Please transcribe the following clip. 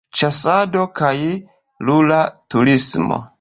Ĉasado kaj rura turismo.